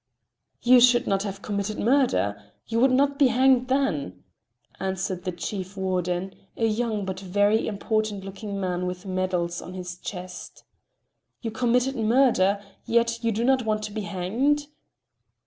"You should not have committed murder. You would not be hanged then," answered the chief warden, a young but very important looking man with medals on his chest. "You committed murder, yet you do not want to be hanged?"